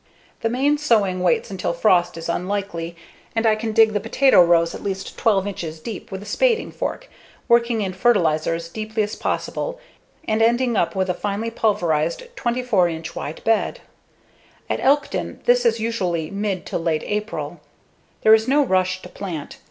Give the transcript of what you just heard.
The main sowing waits until frost is unlikely and I can dig the potato rows at least 12 inches deep with a spading fork, working in fertilizer as deeply as possible and ending up with a finely pulverized 24 inch wide bed. At Elkton, this is usually mid to late April. There is no rush to plant.